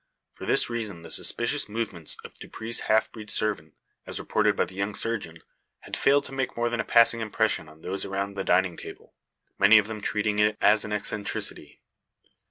For this reason the suspicious movements of Dupre's half breed servant, as reported by the young surgeon, had failed to make more than a passing impression on those around the dining table; many of them treating it as an eccentricity.